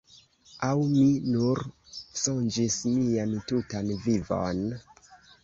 Aŭ mi nur sonĝis mian tutan vivon?